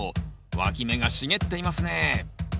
わき芽が茂っていますね